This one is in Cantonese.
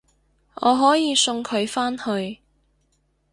我可以送佢返去